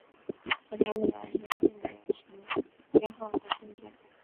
在他入党的时候并没有什么编号和证件。